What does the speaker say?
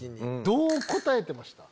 どう答えてました？